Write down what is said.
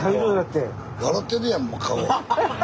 てるやんもう顔。